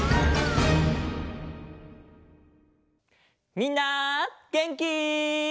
みんなげんき？